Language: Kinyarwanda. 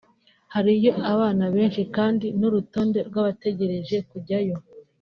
hariyo abana benshi kandi n’urutonde rw’abategereje kujyayo